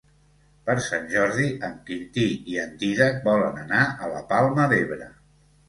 Per Sant Jordi en Quintí i en Dídac volen anar a la Palma d'Ebre.